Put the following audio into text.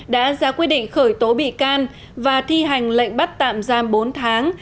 đã ra quyết định khởi tố bị can và thi hành lệnh bắt tạm giam bốn tháng